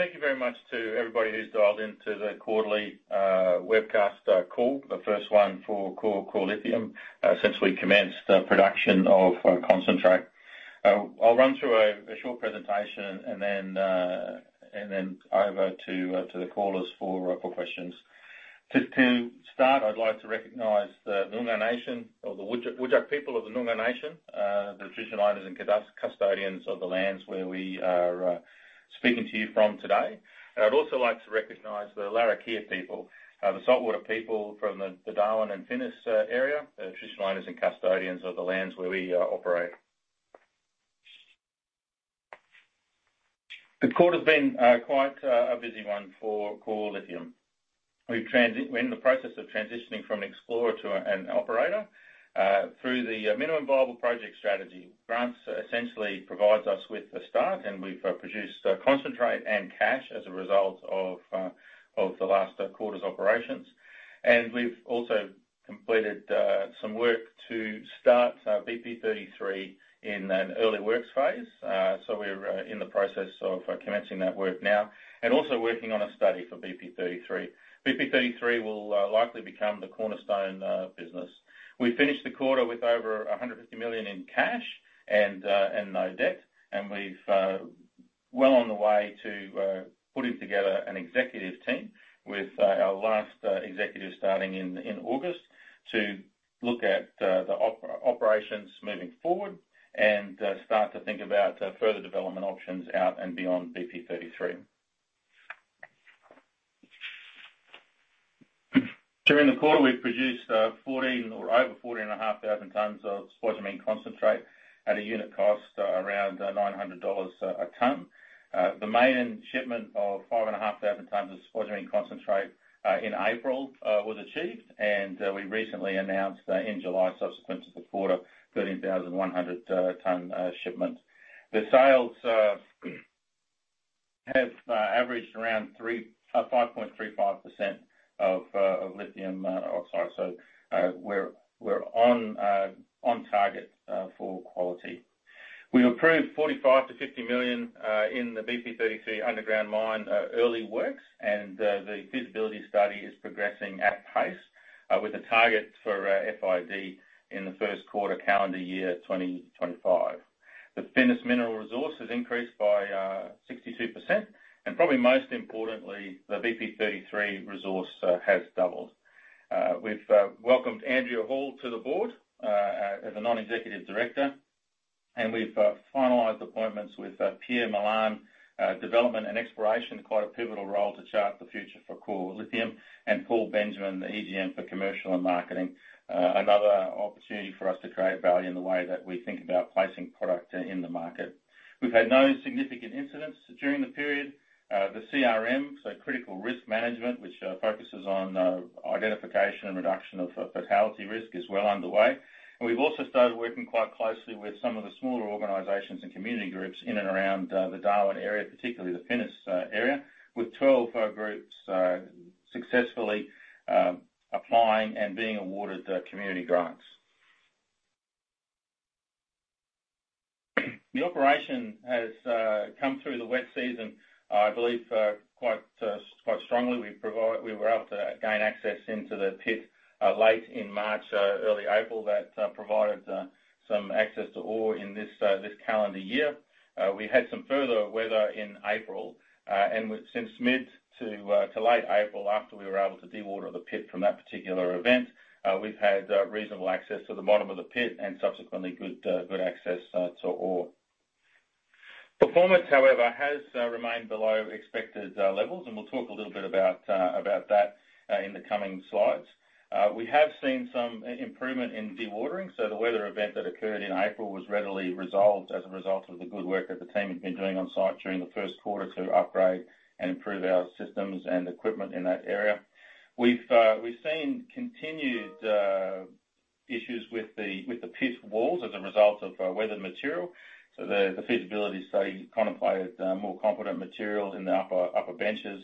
Thank you very much to everybody who's dialed in to the quarterly webcast call, the first one for Core Lithium, since we commenced the production of concentrate. I'll run through a short presentation and then over to the callers for questions. To start, I'd like to recognize the Noongar Nation or the Whadjuk people of the Noongar Nation, the traditional owners and custodians of the lands where we are speaking to you from today. I'd also like to recognize the Larrakia people, the saltwater people from the Darwin and Finniss area, the traditional owners and custodians of the lands where we operate. The quarter has been quite a busy one for Core Lithium. We're in the process of transitioning from an explorer to an operator through the minimum viable project strategy. Grants essentially provides us with a start, and we've produced concentrate and cash as a result of the last quarter's operations. We've also completed some work to start BP33 in an early works phase. We're in the process of commencing that work now, and also working on a study for BP33. BP33 will likely become the cornerstone business. We finished the quarter with over 150 million in cash and no debt, and we've well on the way to putting together an executive team with our last executive starting in August, to look at operations moving forward and start to think about further development options out and beyond BP33. During the quarter, we've produced over 14,500 tons of spodumene concentrate at a unit cost around 900 dollars a ton. The main shipment of 5,500 tons of spodumene concentrate in April was achieved, and we recently announced in July, subsequent to the quarter, 13,100 ton shipment. The sales have averaged around 5.35% of lithium oxide. We're on target for quality. We've approved 45 million-50 million in the BP33 underground mine early works, and the feasibility study is progressing at pace with a target for FID in the first quarter, calendar year, 2025. The Finniss mineral resource has increased by 62%, and probably most importantly, the BP33 resource has doubled. We've welcomed Andrea Hall to the board as a Non-Executive Director, and we've finalized appointments with Pierre Malan, Development and Exploration. Quite a pivotal role to chart the future for Core Lithium. Paul Benjamin, the EGM for Commercial and Marketing. Another opportunity for us to create value in the way that we think about placing product in the market. We've had no significant incidents during the period. The CRM, so Critical Risk Management, which focuses on identification and reduction of fatality risk, is well underway. We've also started working quite closely with some of the smaller organizations and community groups in and around the Darwin area, particularly the Finniss area, with 12 of our groups successfully applying and being awarded community grants. The operation has come through the wet season, I believe, quite strongly. We were able to gain access into the pit late in March, early April. That provided some access to ore in this calendar year. We had some further weather in April, since mid to late April, after we were able to dewater the pit from that particular event, we've had reasonable access to the bottom of the pit and subsequently, good access to ore. Performance, however, has remained below expected levels, and we'll talk a little bit about that in the coming slides. We have seen some improvement in dewatering. The weather event that occurred in April was readily resolved as a result of the good work that the team had been doing on site during the first quarter to upgrade and improve our systems and equipment in that area. We've seen continued issues with the pit walls as a result of weathered material. The feasibility study contemplated more competent materials in the upper benches.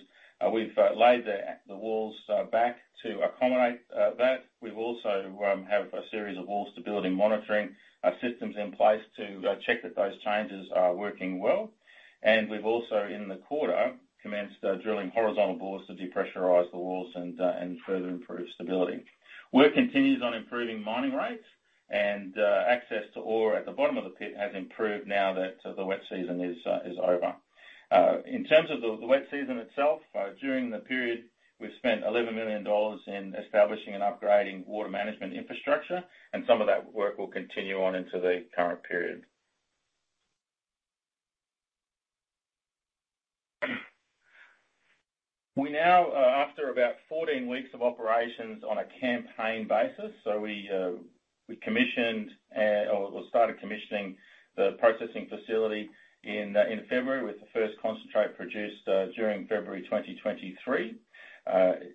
We've laid the walls back to accommodate that. We've also have a series of wall stability monitoring systems in place to check that those changes are working well. We've also, in the quarter, commenced drilling horizontal bores to depressurize the walls and further improve stability. Work continues on improving mining rates and access to ore at the bottom of the pit has improved now that the wet season is over. In terms of the wet season itself, during the period, we've spent AUD 11 million in establishing and upgrading water management infrastructure, and some of that work will continue on into the current period. We now, after about 14 weeks of operations on a campaign basis. We commissioned, or started commissioning the processing facility in February, with the first concentrate produced during February 2023.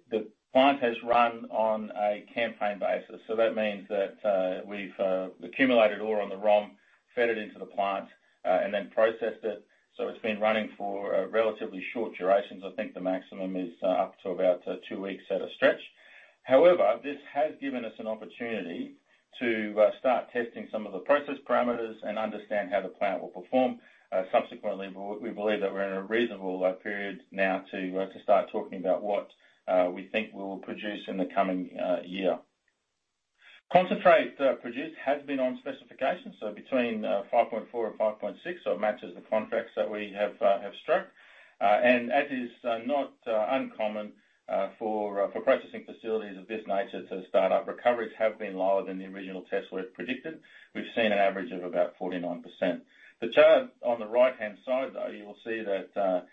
The plant has run on a campaign basis, so that means that we've accumulated ore on the ROM, fed it into the plant, and then processed it. It's been running for relatively short durations. I think the maximum is up to about two weeks at a stretch. However, this has given us an opportunity to start testing some of the process parameters and understand how the plant will perform. Subsequently, we believe that we're in a reasonable period now to start talking about what we think we will produce in the coming year. Concentrate produced has been on specification, so between 5.4 and 5.6, so it matches the contracts that we have struck. As is not uncommon for processing facilities of this nature to start up, recoveries have been lower than the original test we had predicted. We've seen an average of about 49%. The chart on the right-hand side, though, you will see that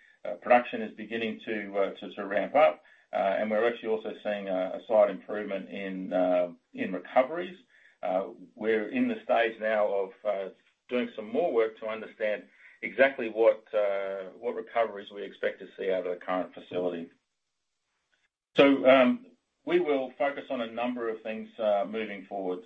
production is beginning to ramp up, and we're actually also seeing a slight improvement in recoveries. We're in the stage now of doing some more work to understand exactly what recoveries we expect to see out of the current facility. We will focus on a number of things moving forward.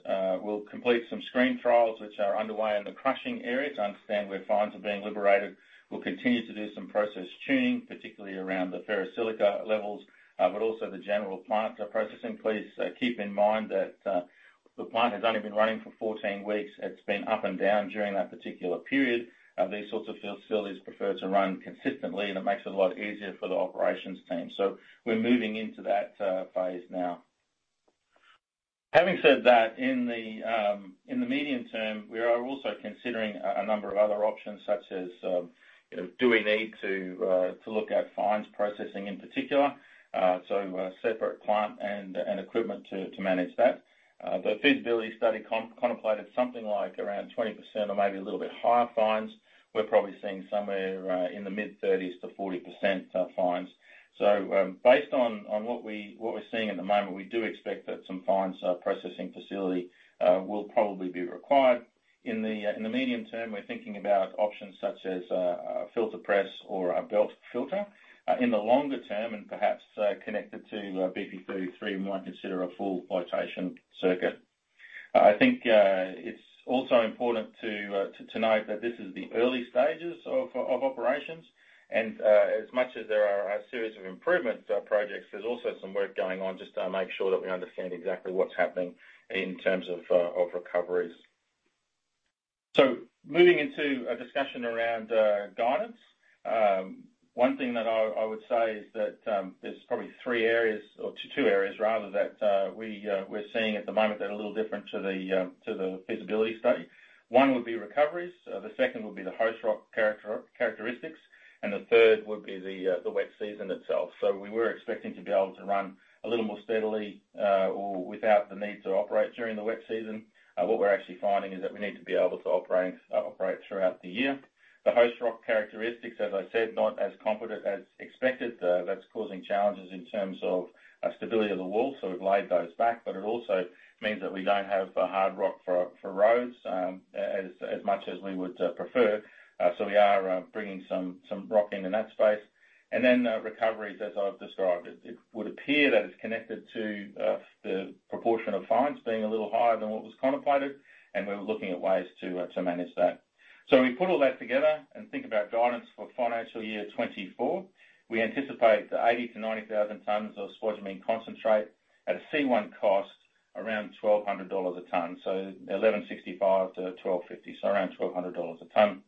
We'll complete some screen trials, which are underway in the crushing area, to understand where fines are being liberated. We'll continue to do some process tuning, particularly around the ferrosilicon levels, but also the general plant processing. Please keep in mind that the plant has only been running for 14 weeks. It's been up and down during that particular period. These sorts of facilities prefer to run consistently, and it makes it a lot easier for the operations team, so we're moving into that phase now. Having said that, in the medium term, we are also considering a number of other options, such as, you know, do we need to look at fines processing in particular? So, separate plant and equipment to manage that. The feasibility study contemplated something like around 20% or maybe a little bit higher fines. We're probably seeing somewhere in the mid-30s to 40% fines. Based on what we're seeing at the moment, we do expect that some fines processing facility will probably be required. In the medium term, we're thinking about options such as a filter press or a belt filter. In the longer term, and perhaps connected to BP33, we might consider a full flotation circuit. I think, it's also important to note that this is the early stages of operations, and as much as there are a series of improvements, projects, there's also some work going on just to make sure that we understand exactly what's happening in terms of recoveries. Moving into a discussion around guidance. One thing that I would say is that there's probably three areas or two areas rather, that we're seeing at the moment that are a little different to the feasibility study. One would be recoveries, the second would be the host rock characteristics, and the third would be the wet season itself. We were expecting to be able to run a little more steadily, or without the need to operate during the wet season. What we're actually finding is that we need to be able to operate throughout the year. The host rock characteristics, as I said, not as competent as expected. That's causing challenges in terms of stability of the wall, so we've laid those back, but it also means that we don't have the hard rock for roads, as much as we would prefer. We are bringing some rock in in that space. Then, recoveries, as I've described, it would appear that it's connected to the proportion of fines being a little higher than what was contemplated, and we're looking at ways to manage that. We put all that together and think about guidance for financial year 2024. We anticipate 80,000 tons-90,000 tons of spodumene concentrate at a C1 cost around 1,200 dollars a ton, so 1,165-1,250, so around 1,200 dollars a ton.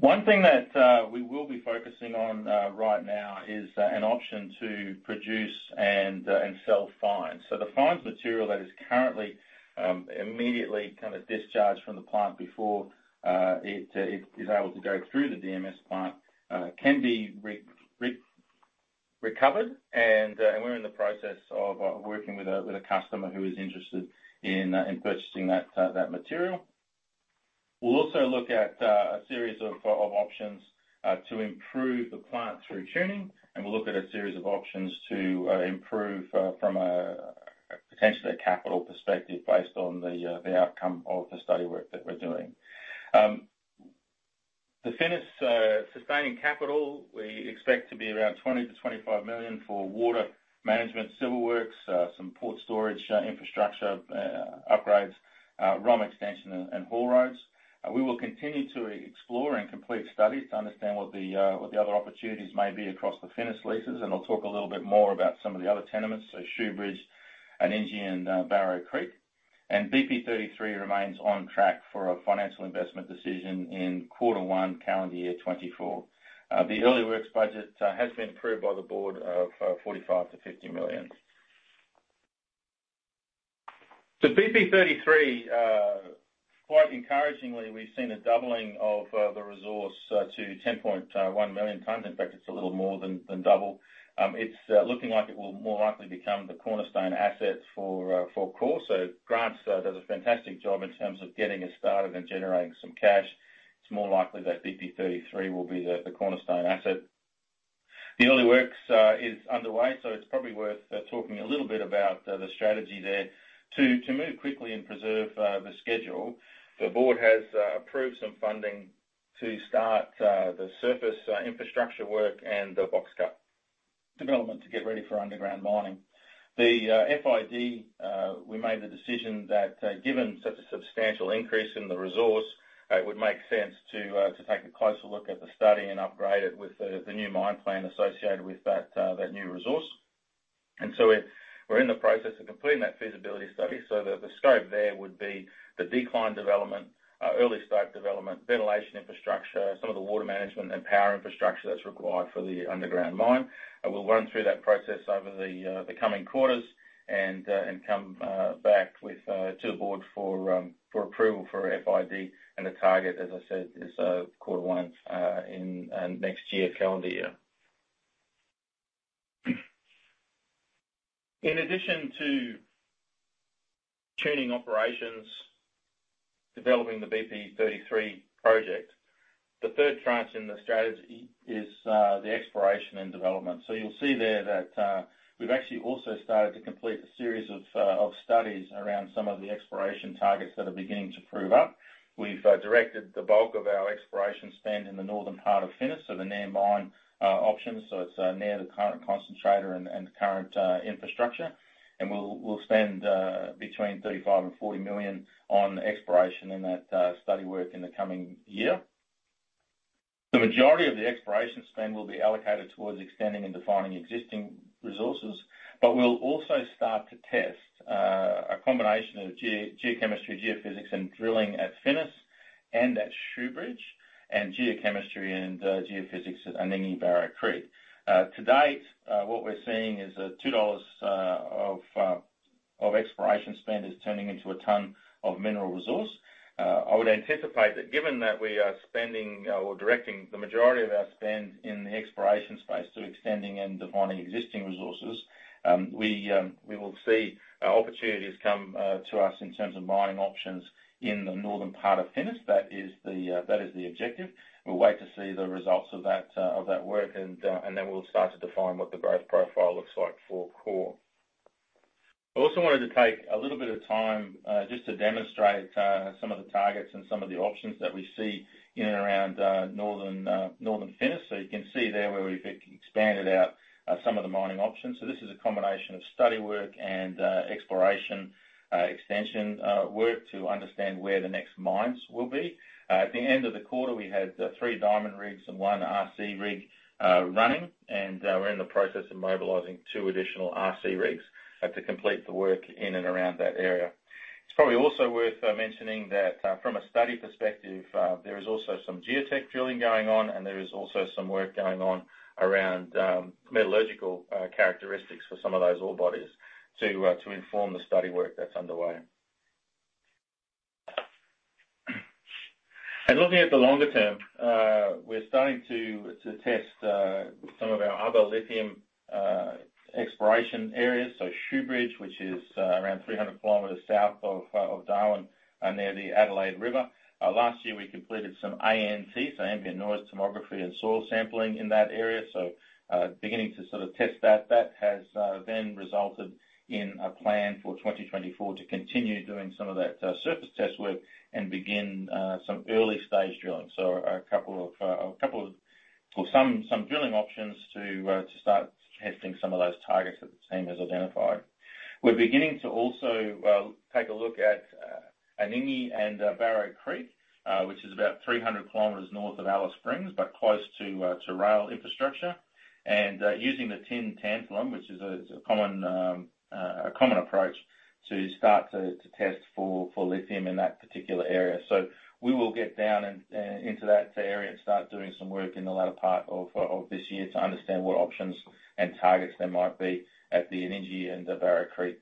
One thing that we will be focusing on right now is an option to produce and sell fines. The fines material that is currently immediately kind of discharged from the plant before it is able to go through the DMS plant can be recovered, and we're in the process of working with a customer who is interested in purchasing that material. We'll also look at a series of options to improve the plant through tuning, and we'll look at a series of options to improve from a potentially a capital perspective, based on the outcome of the study work that we're doing. The Finniss sustaining capital, we expect to be around 20 million-25 million for water management, civil works, some port storage, infrastructure upgrades, ROM extension and haul roads. We will continue to explore and complete studies to understand what the other opportunities may be across the Finniss leases, and I'll talk a little bit more about some of the other tenements, so Shoobridge and Anningie-Barrow Creek. BP33 remains on track for a financial investment decision in Q1, calendar year 2024. The early works budget has been approved by the board of 45 million-50 million. BP33, quite encouragingly, we've seen a doubling of the resource to 10.1 million tons. In fact, it's a little more than double. It's looking like it will more likely become the cornerstone asset for Core. Grants does a fantastic job in terms of getting us started and generating some cash. It's more likely that BP33 will be the cornerstone asset. The early works is underway, so it's probably worth talking a little bit about the strategy there. To move quickly and preserve the schedule, the board has approved some funding to start the surface infrastructure work and the box cut development to get ready for underground mining. The FID, we made the decision that, given such a substantial increase in the resource, it would make sense to take a closer look at the study and upgrade it with the new mine plan associated with that new resource. We're in the process of completing that feasibility study. The scope there would be the decline development, early stage development, ventilation infrastructure, some of the water management and power infrastructure that's required for the underground mine. We'll run through that process over the coming quarters, and come back with to the board for approval for FID. The target, as I said, is quarter one in next year, calendar year. In addition to tuning operations, developing the BP33 project, the third tranche in the strategy is the exploration and development. You'll see there that we've actually also started to complete a series of studies around some of the exploration targets that are beginning to prove up. We've directed the bulk of our exploration spend in the northern part of Finniss, the near mine options. It's near the current concentrator and the current infrastructure. We'll spend between 35 million and 40 million on exploration in that study work in the coming year. The majority of the exploration spend will be allocated towards extending and defining existing resources. We'll also start to test a combination of geochemistry, geophysics, and drilling at Finniss and at Shoobridge, and geochemistry and geophysics at Anningie-Barrow Creek. To date, what we're seeing is 2 dollars of exploration spend is turning into a ton of mineral resource. I would anticipate that given that we are spending or directing the majority of our spend in the exploration space to extending and defining existing resources, we will see opportunities come to us in terms of mining options in the northern part of Finniss. That is the objective. We'll wait to see the results of that, of that work, and then we'll start to define what the growth profile looks like for Core. I also wanted to take a little bit of time just to demonstrate some of the targets and some of the options that we see in and around northern northern Finniss. You can see there where we've expanded out some of the mining options. This is a combination of study work and exploration extension work to understand where the next mines will be. At the end of the quarter, we had three diamond rigs and one RC rig running, and we're in the process of mobilizing two additional RC rigs to complete the work in and around that area. It's probably also worth mentioning that from a study perspective, there is also some geotech drilling going on, and there is also some work going on around metallurgical characteristics for some of those ore bodies to inform the study work that's underway. Looking at the longer term, we're starting to test some of our other lithium exploration areas. Shoobridge, which is around 300 kms south of Darwin and near the Adelaide River. Last year, we completed some ANT, so ambient noise tomography, and soil sampling in that area. Beginning to sort of test that. That has then resulted in a plan for 2024 to continue doing some of that surface test work and begin some early-stage drilling. Some drilling options to start testing some of those targets that the team has identified. We're beginning to also take a look at Anningie-Barrow Creek, which is about 300 kms north of Alice Springs, but close to rail infrastructure. Using the tin-tantalum, which is a common approach to start to test for lithium in that particular area. We will get down and into that area and start doing some work in the latter part of this year to understand what options and targets there might be at the Anningie and the Barrow Creek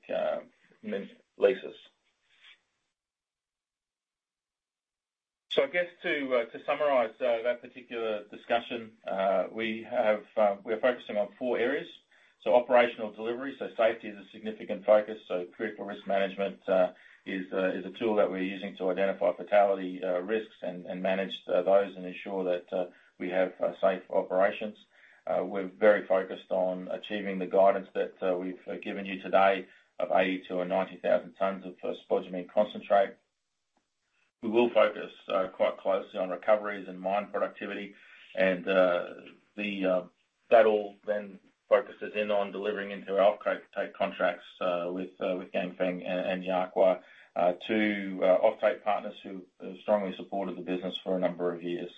leases. I guess to summarize that particular discussion, we have, we are focusing on four areas. Operational delivery, safety is a significant focus, Critical Risk Management is a tool that we're using to identify fatality risks and manage those and ensure that we have safe operations. We're very focused on achieving the guidance that we've given you today of 80,000-90,000 tons of spodumene concentrate. We will focus quite closely on recoveries and mine productivity, and that all then focuses in on delivering into our offtake contracts with Ganfeng and Yahua, two offtake partners who have strongly supported the business for a number of years.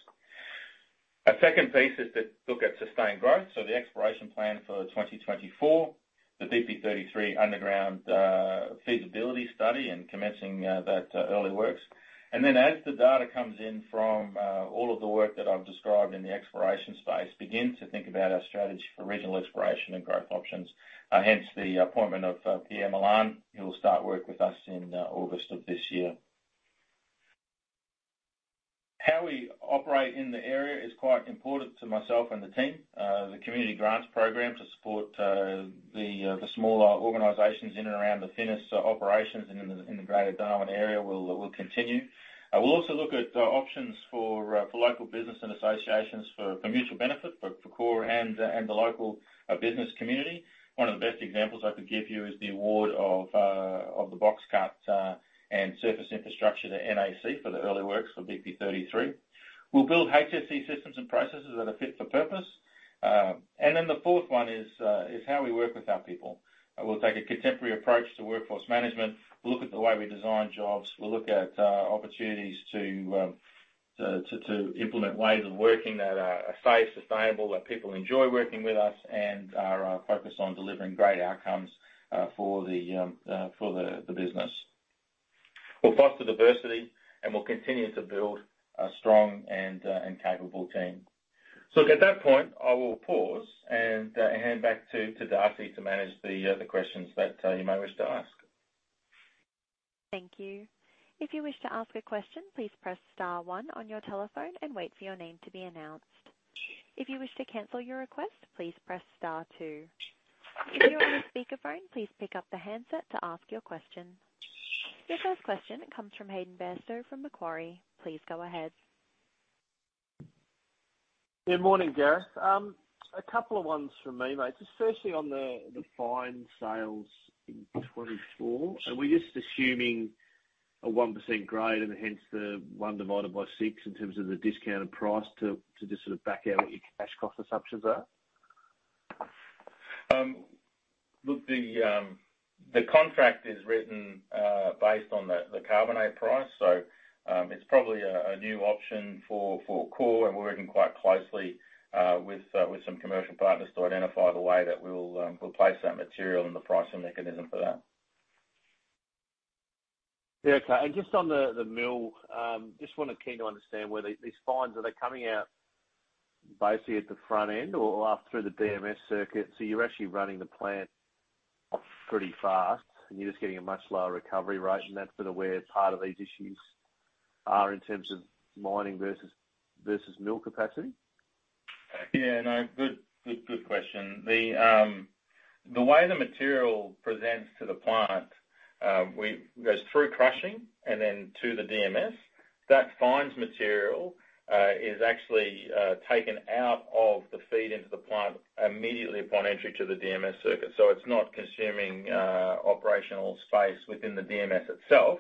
A second piece is to look at sustained growth, so the exploration plan for 2024, the BP33 underground, feasibility study, and commencing that early works. As the data comes in from all of the work that I've described in the exploration space, begin to think about our strategy for regional exploration and growth options, hence the appointment of Pierre Malan. He will start work with us in August of this year. How we operate in the area is quite important to myself and the team. The community grants program to support the smaller organizations in and around the Finniss operations and in the Greater Darwin area will continue. We'll also look at options for local business and associations for mutual benefit, for Core and the local business community. One of the best examples I could give you is the award of the box cut and surface infrastructure to NAC for the early works for BP33. We'll build HSE systems and processes that are fit for purpose. Then the fourth one is how we work with our people. We'll take a contemporary approach to workforce management. We'll look at the way we design jobs. We'll look at opportunities to implement ways of working that are safe, sustainable, that people enjoy working with us and are focused on delivering great outcomes for the business. We'll foster diversity, and we'll continue to build a strong and capable team. Look, at that point, I will pause and hand back to Darcy to manage the questions that you may wish to ask. Thank you. If you wish to ask a question, please press star one on your telephone and wait for your name to be announced. If you wish to cancel your request, please press star two. If you're on a speakerphone, please pick up the handset to ask your question. Your first question comes from Hayden Bairstow from Macquarie. Please go ahead. Good morning, Gareth. A couple of ones from me, mate. Just firstly, on the fine sales in 2024, are we just assuming a 1% grade and hence the one divided by six in terms of the discounted price to just sort of back out what your cash cost assumptions are? Look, the contract is written based on the carbonate price. It's probably a new option for Core, and we're working quite closely with some commercial partners to identify the way that we will place that material and the pricing mechanism for that. Yeah, okay. Just on the mill, keen to understand where these fines, are they coming out basically at the front end or after the DMS circuit? You're actually running the plant off pretty fast, and you're just getting a much lower recovery rate, and that's been where part of these issues are in terms of mining versus mill capacity? Yeah, no. Good question. The way the material presents to the plant, goes through crushing and then to the DMS. That fines material is actually taken out of the feed into the plant immediately upon entry to the DMS circuit. It's not consuming operational space within the DMS itself,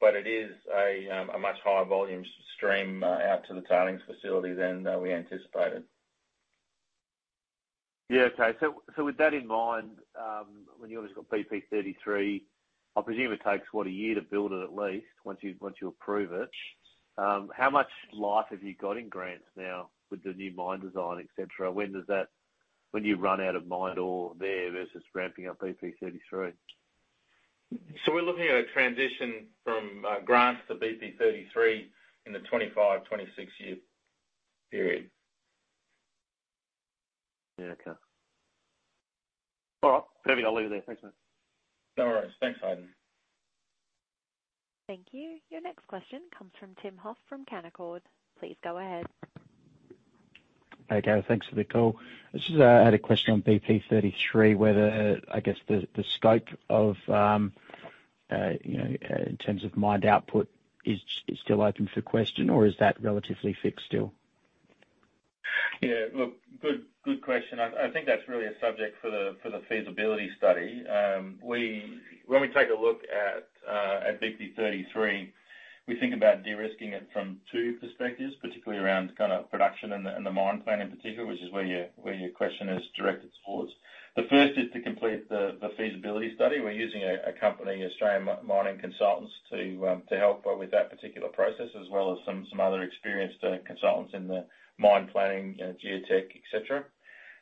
but it is a much higher volume stream out to the tailings facility than we anticipated. Okay. With that in mind, when you obviously got BP33, I presume it takes, what, a year to build it at least, once you approve it. How much life have you got in Grants now with the new mine design, et cetera? When do you run out of mine ore there versus ramping up BP33? We're looking at a transition from Grants to BP33 in the 2025-2026 year period. Yeah. Okay. All right. Perfect, I'll leave it there. Thanks, mate. No worries. Thanks, Hayden. Thank you. Your next question comes from Tim Hoff from Canaccord. Please go ahead. Hey, Gareth. Thanks for the call. I just had a question on BP33, whether I guess, the scope of, you know, in terms of mined output, is still open for question or is that relatively fixed still? Yeah, look, good question. I think that's really a subject for the feasibility study. when we take a look at BP33, we think about de-risking it from two perspectives, particularly around kind of production and the, and the mine plan in particular, which is where your, where your question is directed towards. The first is to complete the feasibility study. We're using a company, Australian Mining Consultants, to help with that particular process, as well as some other experienced consultants in the mine planning, you know, geotech, et cetera.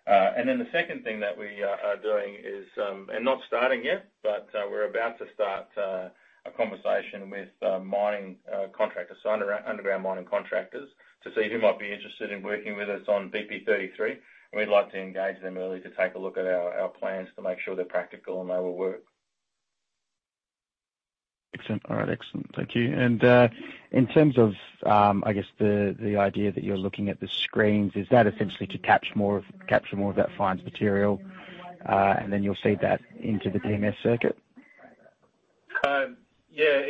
The second thing that we are doing is, and not starting yet, but we're about to start a conversation with mining contractors, underground mining contractors, to see who might be interested in working with us on BP33. We'd like to engage them early to take a look at our plans to make sure they're practical and they will work. Excellent. All right, excellent. Thank you. In terms of, I guess the idea that you're looking at the screens, is that essentially to catch more of that fines material, and then you'll feed that into the DMS circuit? Yeah,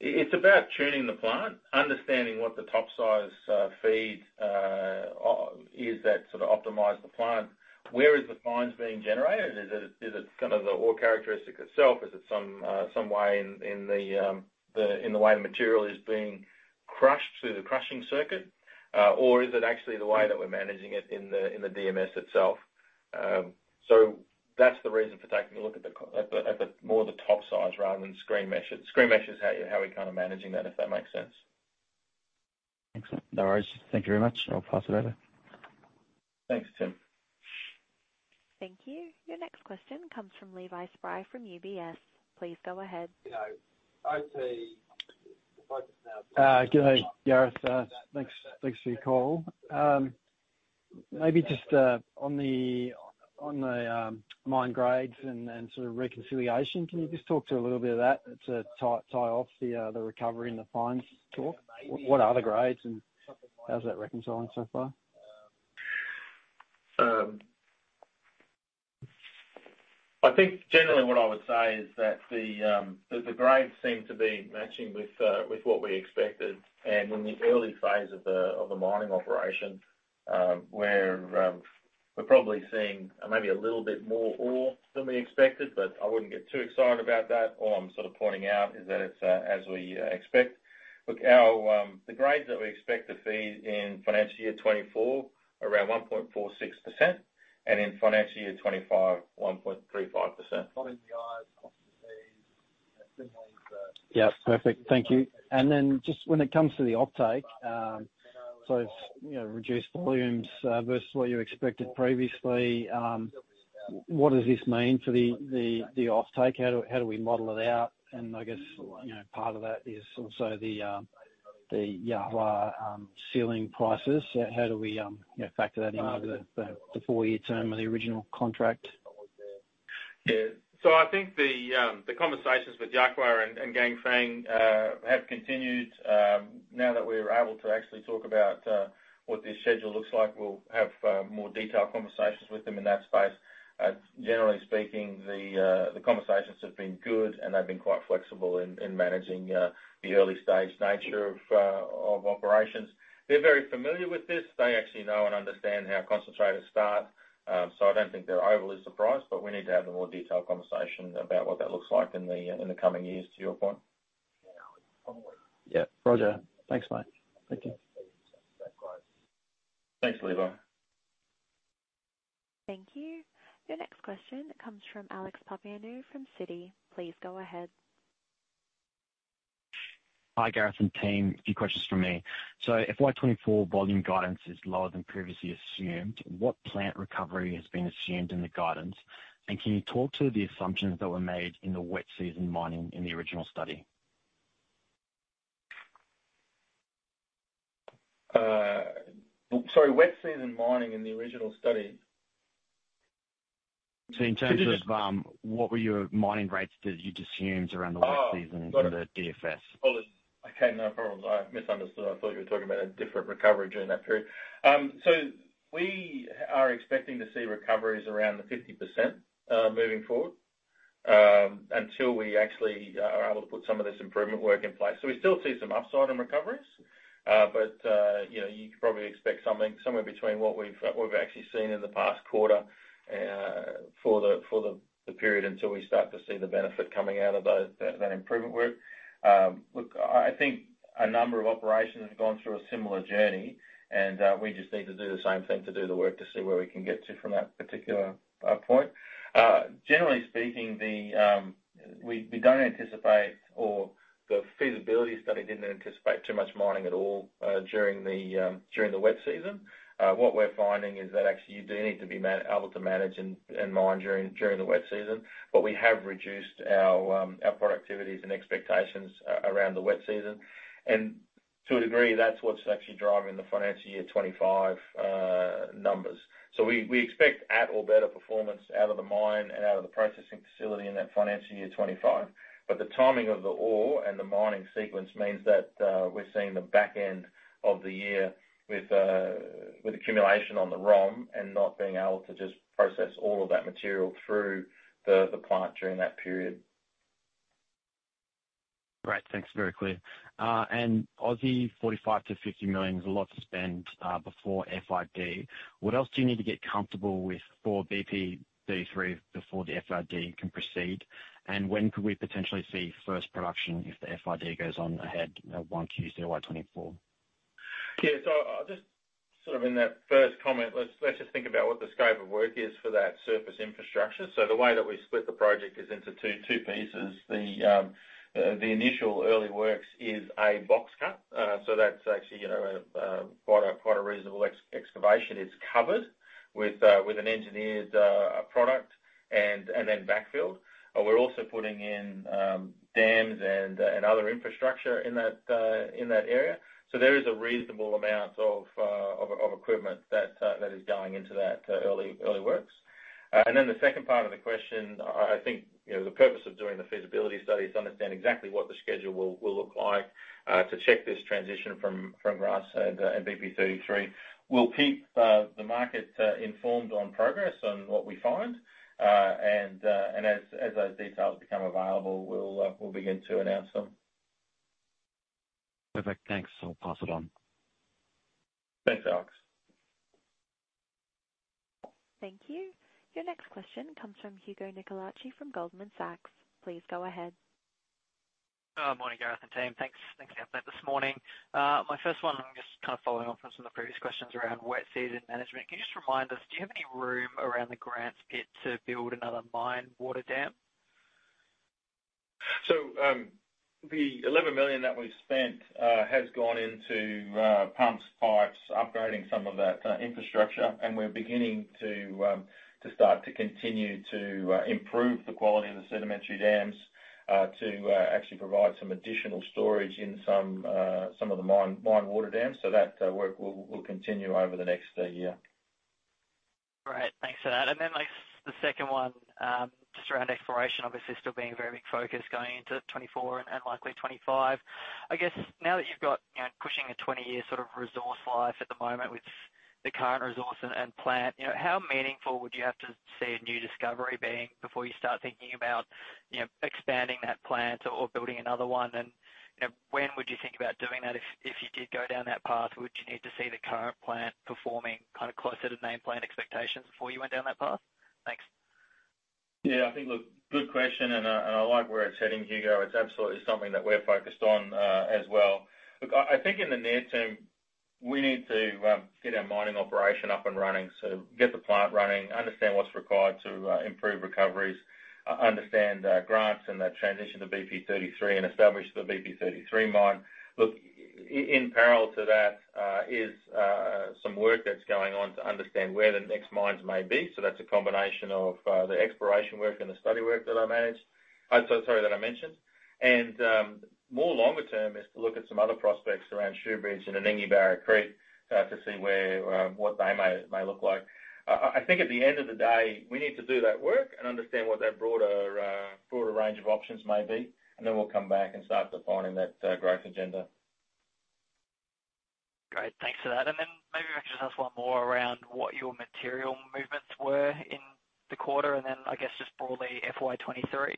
it's about tuning the plant, understanding what the top size feed is that sort of optimize the plant. Where is the fines being generated? Is it kind of the ore characteristic itself? Is it some way in the way the material is being crushed through the crushing circuit? Is it actually the way that we're managing it in the DMS itself? That's the reason for taking a look at the more the top size rather than screen measures. Screen measures how we're kind of managing that, if that makes sense. Excellent. No worries. Thank you very much. I'll pass it over. Thanks, Tim. Thank you. Your next question comes from Levi Spry from UBS. Please go ahead. You know, I'd say the focus now- Good day, Gareth. Thanks for your call. Maybe just on the mine grades and sort of reconciliation, can you just talk to a little bit of that to tie off the recovery and the fines talk? What are the grades, and how's that reconciling so far? I think generally what I would say is that the grades seem to be matching with what we expected. In the early phase of the mining operation, where we're probably seeing maybe a little bit more ore than we expected, but I wouldn't get too excited about that. All I'm sort of pointing out is that it's as we expect. Our the grades that we expect to see in financial year 2024, around 1.46% and in financial year 2025, 1.35%. Yeah, perfect. Thank you. Just when it comes to the offtake, it's, you know, reduced volumes versus what you expected previously, what does this mean for the offtake? How do we model it out? I guess, you know, part of that is also the Yahua ceiling prices. How do we, you know, factor that in over the four-year term of the original contract? I think the conversations with Yahua and Ganfeng have continued. Now that we're able to actually talk about what this schedule looks like, we'll have more detailed conversations with them in that space. Generally speaking, the conversations have been good, and they've been quite flexible in managing the early-stage nature of operations. They're very familiar with this. They actually know and understand how concentrators start. I don't think they're overly surprised, but we need to have a more detailed conversation about what that looks like in the coming years, to your point. Yeah. Roger. Thanks, mate. Thank you. Thanks, Levi. Thank you. Your next question comes from Alex Papaioanou from Citi. Please go ahead. Hi, Gareth and team. A few questions from me. If my 2024 volume guidance is lower than previously assumed, what plant recovery has been assumed in the guidance? Can you talk to the assumptions that were made in the wet season mining in the original study? Sorry, wet season mining in the original study? In terms of, what were your mining rates that you'd assumed around the wet season? Oh! - in the DFS? Okay, no problems. I misunderstood. I thought you were talking about a different recovery during that period. We are expecting to see recoveries around the 50%, moving forward, until we actually are able to put some of this improvement work in place. We still see some upside in recoveries. You know, you could probably expect something somewhere between what we've actually seen in the past quarter, for the period, until we start to see the benefit coming out of that improvement work. Look, I think a number of operations have gone through a similar journey, and we just need to do the same thing to do the work to see where we can get to from that particular point. Generally speaking, the, we don't anticipate or the feasibility study didn't anticipate too much mining at all, during the wet season. What we're finding is that actually you do need to be able to manage and mine during the wet season. We have reduced our productivities and expectations around the wet season. To a degree, that's what's actually driving the financial year 25 numbers. We expect at or better performance out of the mine and out of the processing facility in that financial year 25. The timing of the ore and the mining sequence means that, we're seeing the back end of the year with accumulation on the ROM and not being able to just process all of that material through the plant during that period. Great, thanks. Very clear. 45 million-50 million is a lot to spend before FID. What else do you need to get comfortable with for BP33 before the FID can proceed? When could we potentially see first production if the FID goes on ahead of Q1 CY 2024? Yeah. Sort of in that first comment, let's just think about what the scope of work is for that surface infrastructure. The way that we've split the project is into two pieces. The initial early works is a box cut. That's actually, you know, quite a reasonable excavation. It's covered with an engineered product and then backfilled. We're also putting in dams and other infrastructure in that area. There is a reasonable amount of equipment that is going into that early works. Then the second part of the question, I think, you know, the purpose of doing the feasibility study is to understand exactly what the schedule will look like, to check this transition from grass and BP33. We'll keep the market informed on progress on what we find, and as those details become available, we'll begin to announce them. Perfect, thanks. I'll pass it on. Thanks, Alex. Thank you. Your next question comes from Hugo Nicolaci from Goldman Sachs. Please go ahead. Morning, Gareth and team. Thanks. Thanks for having me this morning. My first one. I'm just kind of following on from some of the previous questions around wet season management. Can you just remind us, do you have any room around the Grants Pit to build another mine water dam? The 11 million that we've spent has gone into pumps, pipes, upgrading some of that infrastructure. We're beginning to continue to improve the quality of the sedimentary dams to actually provide additional storage in some of the mine water dams. That work will continue over the next year. Great. Thanks for that. Then, like, the second one, just around exploration, obviously still being a very big focus going into 2024 and likely 2025. I guess now that you've got, you know, pushing a 20-year sort of resource life at the moment with the current resource and plant, you know, how meaningful would you have to see a new discovery being before you start thinking about, you know, expanding that plant or building another one? You know, when would you think about doing that? If, if you did go down that path, would you need to see the current plant performing kind of closer to main plant expectations before you went down that path? Yeah, I think, look, good question, and I like where it's heading, Hugo. It's absolutely something that we're focused on as well. Look, I think in the near term, we need to get our mining operation up and running. Get the plant running, understand what's required to improve recoveries, understand Grants and that transition to BP33, and establish the BP33 mine. In parallel to that is some work that's going on to understand where the next mines may be. That's a combination of the exploration work and the study work that I managed. So sorry, that I mentioned. More longer term is to look at some other prospects around Shoobridge and the Anningie Creek to see where what they may look like. I think at the end of the day, we need to do that work and understand what that broader range of options may be, and then we'll come back and start defining that growth agenda. Great. Thanks for that. Maybe if I could just ask one more around what your material movements were in the quarter, and then I guess just broadly, FY 2023.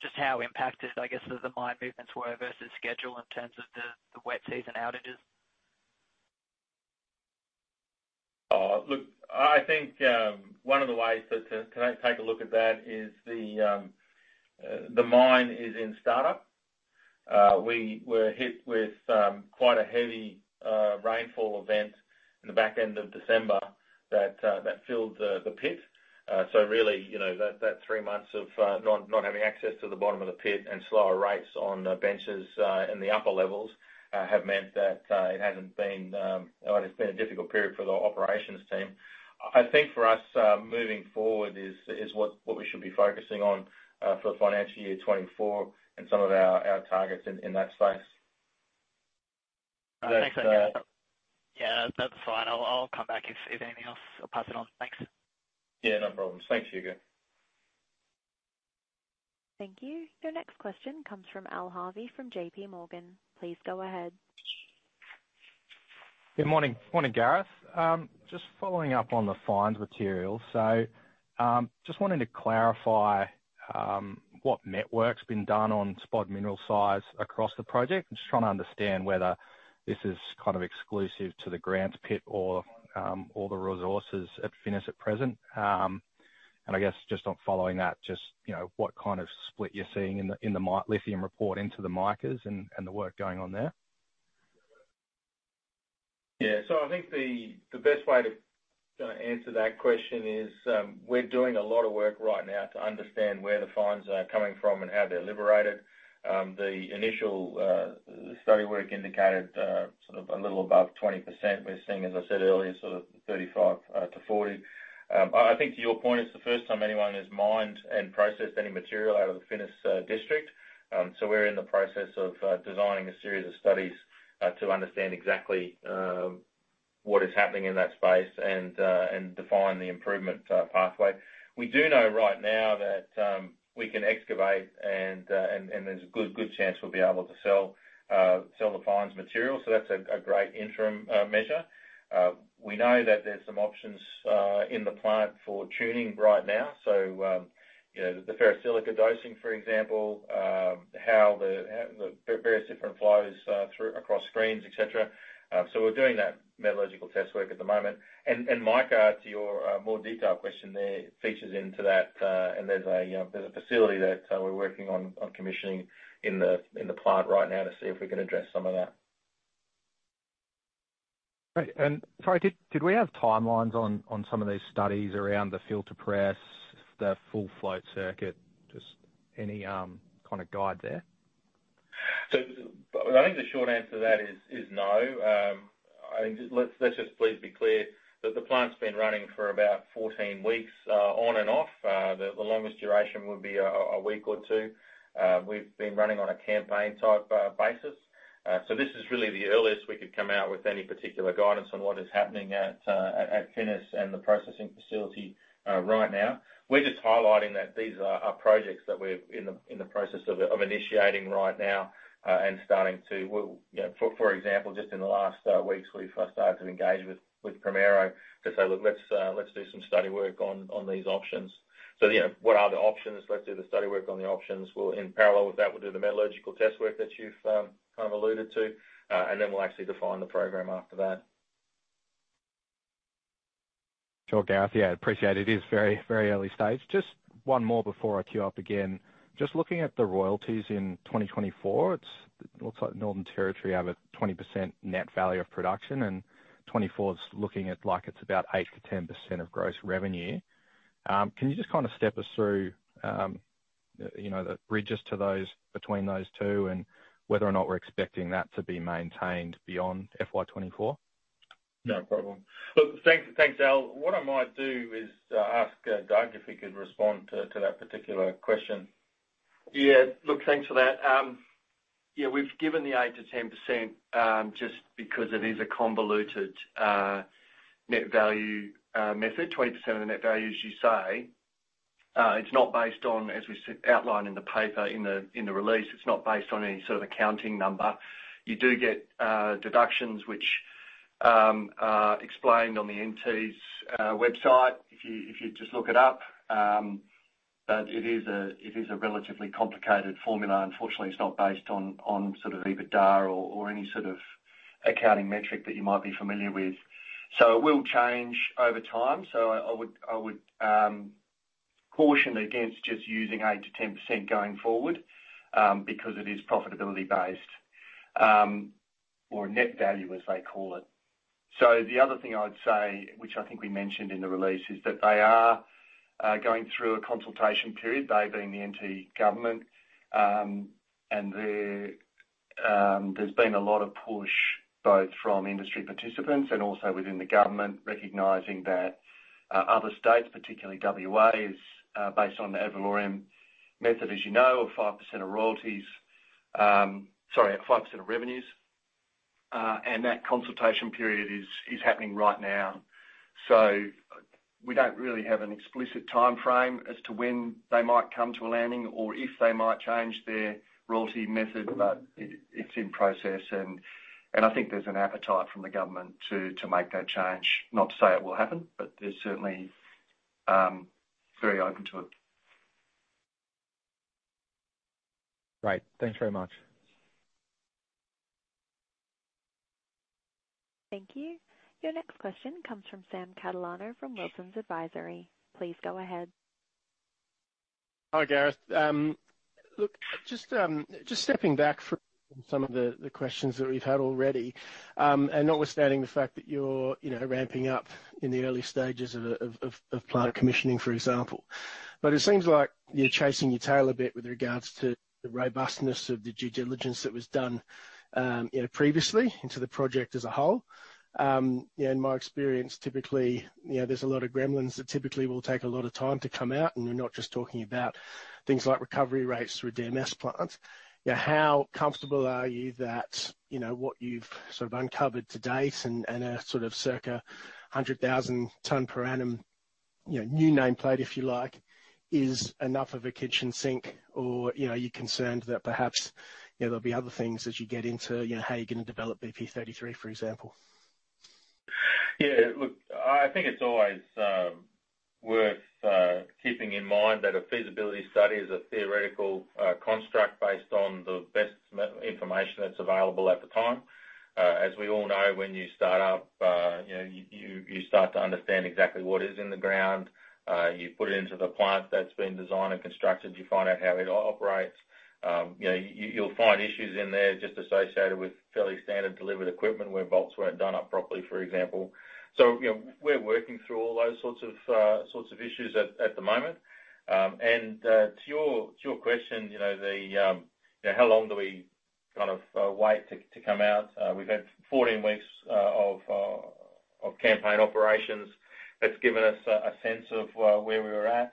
Just how impacted, I guess, the mine movements were versus schedule in terms of the wet season outages? Look, I think, one of the ways to take a look at that is the mine is in startup. We were hit with quite a heavy rainfall event in the back end of December that filled the pit. Really, you know, that 3 months of not having access to the bottom of the pit and slower rates on the benches in the upper levels have meant that it hasn't been... well, it's been a difficult period for the operations team. I think for us, moving forward is what we should be focusing on for financial year 2024 and some of our targets in that space. Thanks. Yeah, that's fine. I'll come back if anything else. I'll pass it on. Thanks. Yeah, no problems. Thanks, Hugo. Thank you. Your next question comes from Al Harvey, from JPMorgan. Please go ahead. Good morning. Morning, Gareth. Just following up on the fines material. Just wanted to clarify, what network's been done on spodumene mineral size across the project. I'm just trying to understand whether this is kind of exclusive to the Grants pit or the resources at Finniss at present. I guess, just on following that, just, you know, what kind of split you're seeing in the lithium report into the micas and the work going on there? Yeah. I think the best way to answer that question is, we're doing a lot of work right now to understand where the fines are coming from and how they're liberated. The initial study work indicated sort of a little above 20%. We're seeing, as I said earlier, sort of 35-40%. I think to your point, it's the first time anyone has mined and processed any material out of the Finniss district. We're in the process of designing a series of studies to understand exactly what is happening in that space and define the improvement pathway. We do know right now that we can excavate and there's a good chance we'll be able to sell the fines material. That's a great interim measure. We know that there's some options in the plant for tuning right now. You know, the ferrosilicon dosing, for example, how the, how the various different flows through across screens, et cetera. We're doing that metallurgical test work at the moment. Micah, to your more detailed question there, features into that, and there's a facility that we're working on commissioning in the, in the plant right now to see if we can address some of that. Great. Sorry, did we have timelines on some of these studies around the filter press, the full float circuit? Just any kind of guide there? I think the short answer to that is no. I think let's just please be clear that the plant's been running for about 14 weeks on and off. The longest duration would be a week or two. We've been running on a campaign-type basis. This is really the earliest we could come out with any particular guidance on what is happening at Finniss and the processing facility right now. We're just highlighting that these are projects that we're in the process of initiating right now and starting to you know, for example, just in the last weeks, we've started to engage with Primero to say, "Look, let's do some study work on these options." You know, what are the options? Let's do the study work on the options. We'll, in parallel with that, we'll do the metallurgical test work that you've, kind of alluded to, and then we'll actually define the program after that. Sure thing. Yeah, I appreciate it is very, very early stage. Just one more before I queue up again. Just looking at the royalties in 2024, looks like the Northern Territory have a 20% net value of production, and 2024 is looking at like it's about 8%-10% of gross revenue. Can you just kind of step us through, you know, the bridges to those, between those two, and whether or not we're expecting that to be maintained beyond FY 2024? No problem. Look, thanks, Al. What I might do is ask Doug if he could respond to that particular question. Look, thanks for that. We've given the 8%-10% just because it is a convoluted net value method. 20% of the net value, as you say, it's not based on, as we outlined in the paper, in the release, it's not based on any sort of accounting number. You do get deductions which are explained on the NT's website, if you just look it up. It is a relatively complicated formula. Unfortunately, it's not based on sort of EBITDA or any sort of accounting metric that you might be familiar with. It will change over time. I would caution against just using 8%-10% going forward because it is profitability-based or net value, as they call it. The other thing I'd say, which I think we mentioned in the release, is that they are going through a consultation period, they being the NT government. There's been a lot of push, both from industry participants and also within the government, recognizing that other states, particularly WA, is based on the ad valorem method, as you know, of 5% of royalties, sorry, at 5% of revenues. That consultation period is happening right now. We don't really have an explicit time frame as to when they might come to a landing or if they might change their royalty method, but it's in process, and I think there's an appetite from the government to make that change. Not to say it will happen, but they're certainly very open to it. Great. Thanks very much. Thank you. Your next question comes from Sam Catalano, from Wilsons Advisory. Please go ahead. Hi, Gareth. Look, just stepping back from some of the questions that we've had already, notwithstanding the fact that you're, you know, ramping up in the early stages of plant commissioning, for example. It seems like you're chasing your tail a bit with regards to the robustness of the due diligence that was done, you know, previously into the project as a whole. In my experience, typically, you know, there's a lot of gremlins that typically will take a lot of time to come out, and we're not just talking about things like recovery rates through a DMS plant. Yeah, how comfortable are you that, you know, what you've sort of uncovered to date and a sort of circa 100,000 ton per annum, you know, new nameplate, if you like, is enough of a kitchen sink, or, you know, are you concerned that perhaps, you know, there'll be other things as you get into, you know, how you're going to develop BP33, for example? I think it's always worth keeping in mind that a feasibility study is a theoretical construct based on the best information that's available at the time. As we all know, when you start up, you know, you start to understand exactly what is in the ground. You put it into the plant that's been designed and constructed, you find out how it operates. You know, you'll find issues in there just associated with fairly standard delivered equipment, where bolts weren't done up properly, for example. You know, we're working through all those sorts of sorts of issues at the moment. To your question, you know, the how long do we kind of wait to come out? We've had 14 weeks of campaign operations. That's given us a sense of where we were at.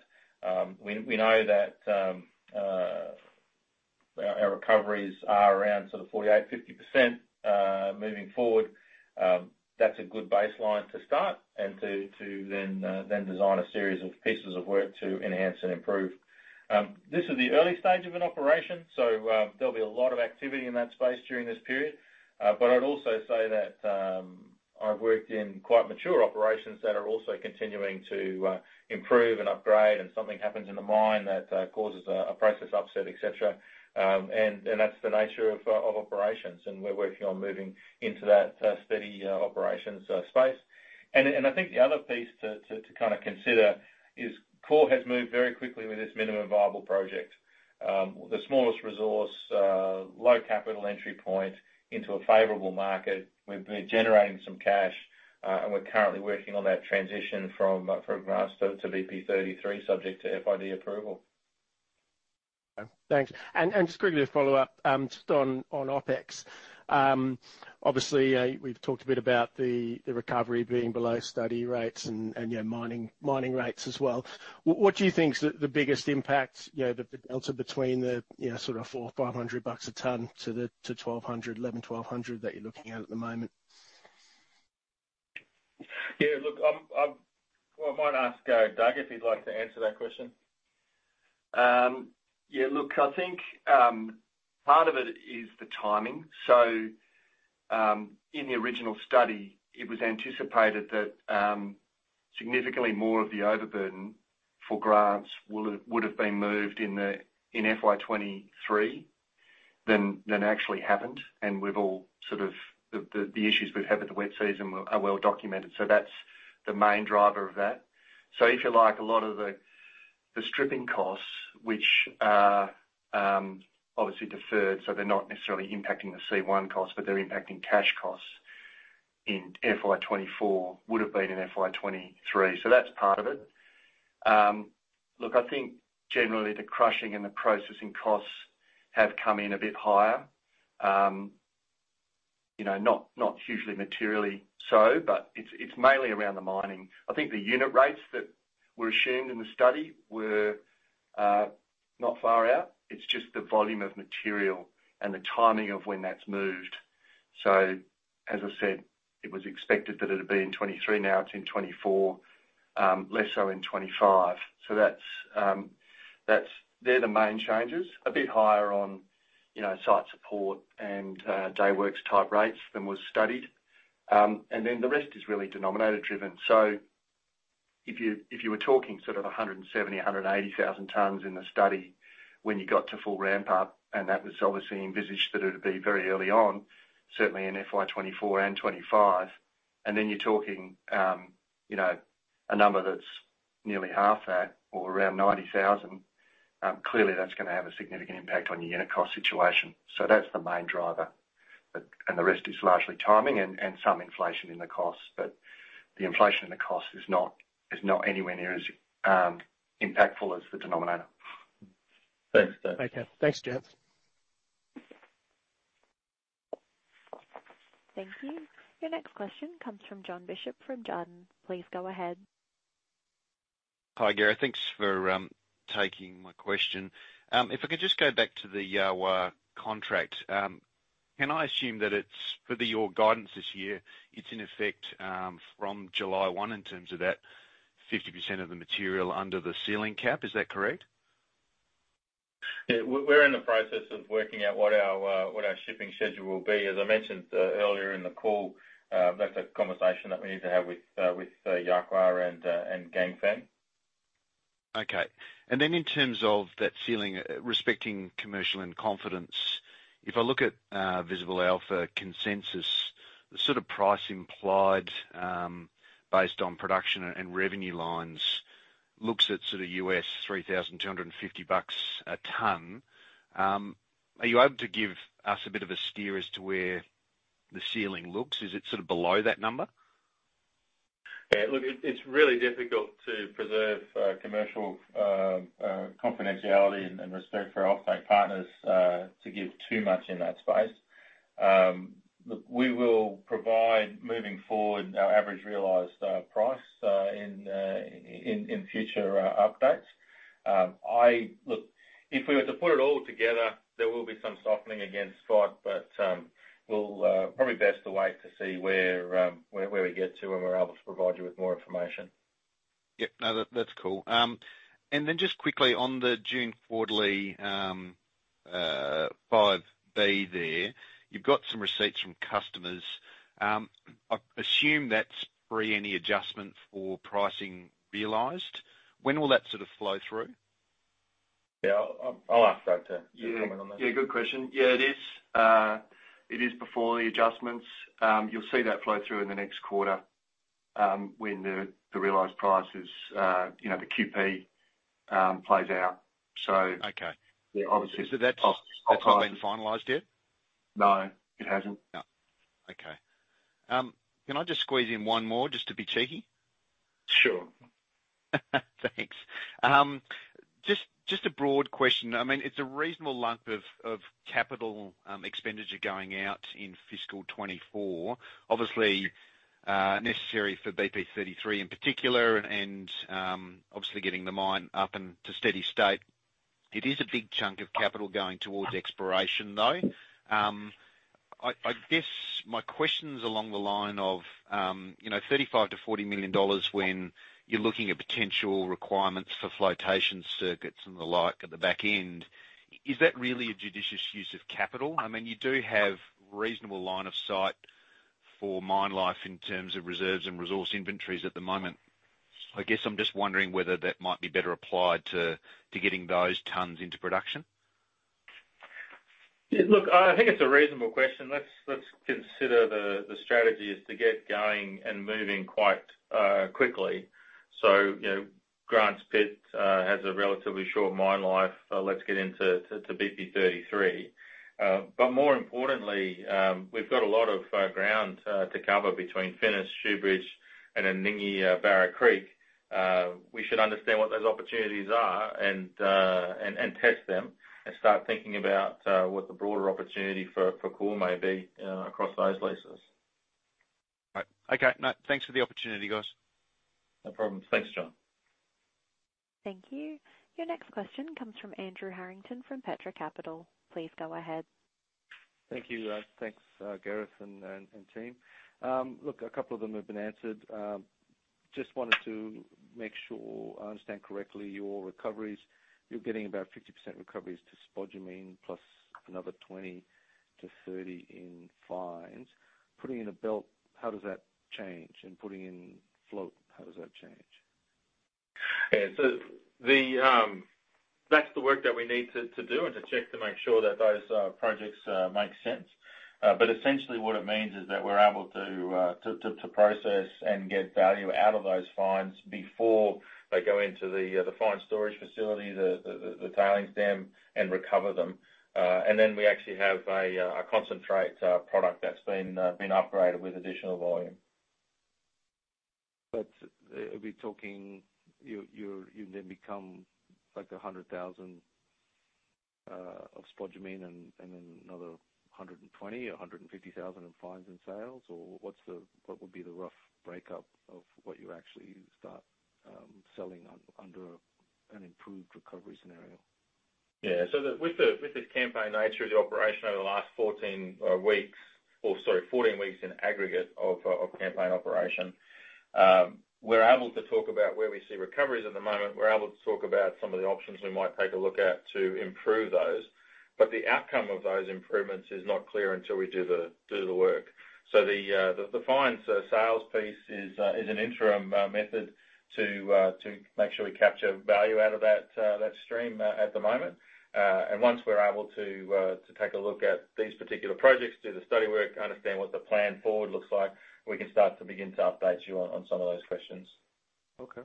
We know that our recoveries are around sort of 48%, 50% moving forward. That's a good baseline to start and to then design a series of pieces of work to enhance and improve. This is the early stage of an operation, so there'll be a lot of activity in that space during this period. I'd also say that I've worked in quite mature operations that are also continuing to improve and upgrade, and something happens in the mine that causes a process upset, et cetera. That's the nature of operations, and we're working on moving into that steady operations space. I think the other piece to kind of consider is Core has moved very quickly with this minimum viable project. The smallest resource, low capital entry point into a favorable market. We've been generating some cash, and we're currently working on that transition from Grants to BP33, subject to FID approval. Thanks. Just quickly to follow up, just on OpEx. Obviously, we've talked a bit about the recovery being below study rates and, yeah, mining rates as well. What do you think is the biggest impact, you know, the delta between the sort of 400-500 bucks a ton to the 1,100-1,200 that you're looking at the moment? Yeah, look, well, I might ask Doug, if he'd like to answer that question. Part of it is the timing. In the original study, it was anticipated that significantly more of the overburden for Grants would have been moved in FY 2023 than actually happened. The issues we've had with the wet season are well documented, that's the main driver of that. A lot of the stripping costs, which are obviously deferred, they're not necessarily impacting the C1 costs, but they're impacting cash costs in FY 2024, would have been in FY 2023. The crushing and the processing costs have come in a bit higher. Not hugely materially so, but it's mainly around the mining. I think the unit rates that were assumed in the study were not far out. It's just the volume of material and the timing of when that's moved. As I said, it was expected that it'd be in 23, now it's in 24, less so in 25. That's, they're the main changes. A bit higher on, you know, site support and dayworks-type rates than was studied. The rest is really denominator driven. if you were talking sort of 170,000-180,000 tons in the study when you got to full ramp up, and that was obviously envisaged that it would be very early on, certainly in FY 2024 and 2025, and then you're talking, you know, a number that's nearly half that or around 90,000, clearly, that's going to have a significant impact on your unit cost situation. That's the main driver, and the rest is largely timing and some inflation in the costs. The inflation in the cost is not anywhere near as impactful as the denominator. Thanks, Doug. Okay, thanks, James. Thank you. Your next question comes from Jon Bishop from Jarden. Please go ahead. Hi, Gareth. Thanks for taking my question. If I could just go back to the contract. Can I assume that it's for the, your guidance this year, it's in effect from July 1, in terms of that 50% of the material under the ceiling cap? Is that correct? Yeah, we're in the process of working out what our, what our shipping schedule will be. As I mentioned, earlier in the call, that's a conversation that we need to have with, Yahua and Ganfeng. Okay. Then in terms of that ceiling, respecting commercial and confidence, if I look at Visible Alpha consensus, the sort of price implied, based on production and revenue lines, looks at sort of $3,250 a ton. Are you able to give us a bit of a steer as to where the ceiling looks? Is it sort of below that number? Yeah, look, it's really difficult to preserve commercial confidentiality and respect for our off-take partners to give too much in that space. Look, we will provide, moving forward, our average realized price in future updates. Look, if we were to put it all together, there will be some softening against spot, but we'll probably best to wait to see where we get to, and we're able to provide you with more information. Yep. No, that's cool. Just quickly on the June quarterly, Appendix 5B there, you've got some receipts from customers. I assume that's pre any adjustment for pricing realized. When will that sort of flow through? Yeah, I'll ask Doug. Yeah. Comment on that. Good question. It is before the adjustments. You'll see that flow through in the next quarter, when the realized prices, you know, the QP, plays out. Okay. Yeah, obviously. That's not been finalized yet? No, it hasn't. No. Okay. Can I just squeeze in one more, just to be cheeky? Sure. Thanks. Just a broad question. I mean, it's a reasonable lump of capital expenditure going out in fiscal 2024. Obviously, necessary for BP33 in particular, and obviously getting the mine up and to steady state. It is a big chunk of capital going towards exploration, though. I guess my question is along the line of, you know, 35 million-40 million dollars, when you're looking at potential requirements for flotation circuits and the like at the back end, is that really a judicious use of capital? I mean, you do have reasonable line of sight for mine life in terms of reserves and resource inventories at the moment. I guess I'm just wondering whether that might be better applied to getting those tons into production. Look, I think it's a reasonable question. Let's consider the strategy is to get going and moving quite quickly. You know, Grant's Pit has a relatively short mine life. Let's get into BP33. More importantly, we've got a lot of ground to cover between Finniss, Shoobridge and Anningie-Barrow Creek. We should understand what those opportunities are and test them, and start thinking about what the broader opportunity for Core may be across those leases. All right. Okay. No, thanks for the opportunity, guys. No problems. Thanks, Jon. Thank you. Your next question comes from Andrew Harrington, from Petra Capital. Please go ahead. Thank you. Thanks, Gareth and team. Look, a couple of them have been answered. Just wanted to make sure I understand correctly, your recoveries. You're getting about 50% recoveries to spodumene, plus another 20%-30% in fines. Putting in a belt, how does that change? Putting in float, how does that change? The work that we need to do and to check to make sure that those projects make sense. Essentially, what it means is that we're able to process and get value out of those fines before they go into the fine storage facility, the tailings dam, and recover them. Then we actually have a concentrate product that's been upgraded with additional volume. Are we talking you then become, like, 100,000 tons of spodumene and then another 120,000 tons or 150,000 tons in fines and sales? Or what's the, what would be the rough breakup of what you actually start selling under an improved recovery scenario? Yeah. The, with the campaign nature of the operation over the last 14 weeks or, sorry, 14 weeks in aggregate of campaign operation, we're able to talk about where we see recoveries at the moment. We're able to talk about some of the options we might take a look at to improve those. The outcome of those improvements is not clear until we do the work. The, the fines sales piece is an interim method to make sure we capture value out of that stream at the moment. Once we're able to take a look at these particular projects, do the study work, understand what the plan forward looks like, we can start to begin to update you on some of those questions. Okay.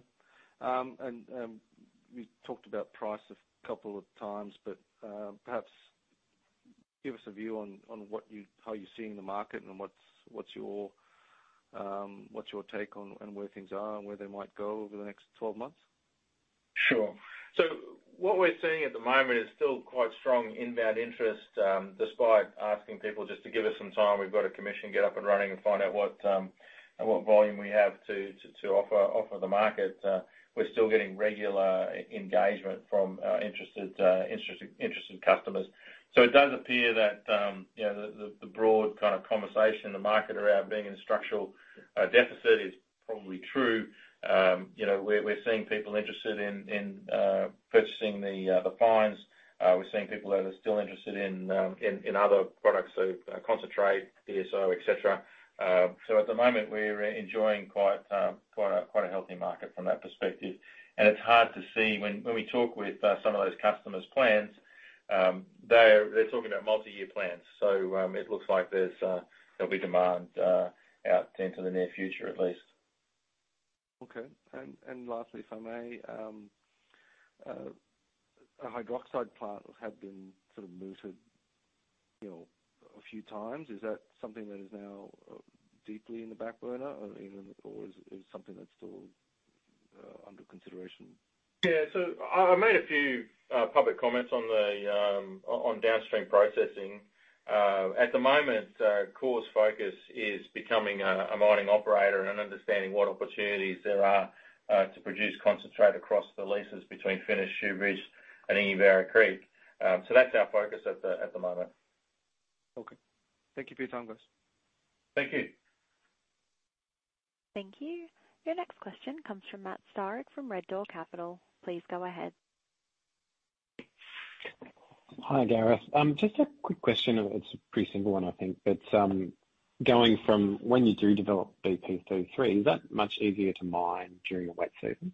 You talked about price a couple of times, but perhaps give us a view on how you're seeing the market, and what's your take on where things are and where they might go over the next 12 months? Sure. What we're seeing at the moment is still quite strong inbound interest, despite asking people just to give us some time. We've got a commission get up and running and find out what volume we have to offer the market. We're still getting regular engagement from interested customers. It does appear that, you know, the broad kind of conversation in the market around being in structural deficit is probably true. You know, we're seeing people interested in purchasing the fines. We're seeing people that are still interested in other products, so concentrate, DSO, et cetera. At the moment, we're enjoying quite a healthy market from that perspective. And it's hard to see... When we talk with some of those customers' plans, they're talking about multi-year plans. It looks like there'll be demand out into the near future, at least. Okay. Lastly, if I may, a hydroxide plant have been sort of mooted, you know, a few times. Is that something that is now deeply in the back burner or even, or is something that's still under consideration? I made a few public comments on downstream processing. At the moment, Core's focus is becoming a mining operator and understanding what opportunities there are to produce concentrate across the leases between Finniss, Shoobridge and Anningie Creek. That's our focus at the moment. Okay. Thank you for your time, guys. Thank you. Thank you. Your next question comes from Matt Starick from Red Door Capital. Please go ahead. Hi, Gareth. Just a quick question. It's a pretty simple one, I think, but, going from when you do develop BP33, is that much easier to mine during the wet season?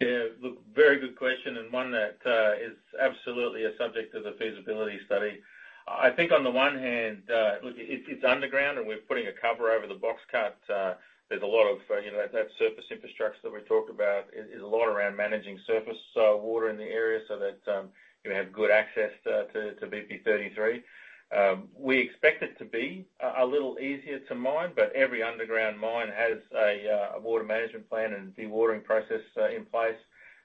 Yeah, look, very good question, one that is absolutely a subject of the feasibility study. I think on the one hand, look, it's underground, we're putting a cover over the box cut. There's a lot of, you know, that surface infrastructure that we've talked about. It is a lot around managing surface water in the area so that you have good access to BP33. We expect it to be a little easier to mine, every underground mine has a water management plan and dewatering process in place.